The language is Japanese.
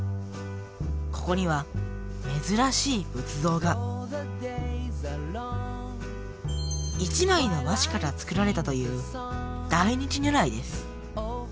ここには珍しい仏像が一枚の和紙から作られたという大日如来です。